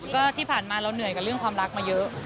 ก็ที่ผ่านมาเราเหนื่อยกับเรื่องความรักมาเยอะ